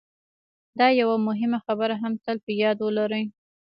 دا یوه مهمه خبره هم تل په یاد ولرئ